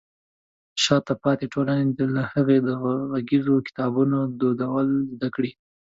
شاته پاتې ټولنې دې له هغې د غږیزو کتابونو دودول زده کړي.